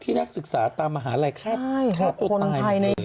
ที่นักศึกษาตามมหาวิทยาลัยฆ่าโตตายหมดเลย